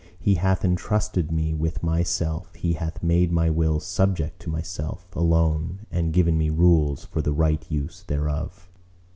He hath entrusted me with myself: He hath made my will subject to myself alone and given me rules for the right use thereof.